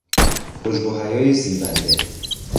حجب و حیای زیبنده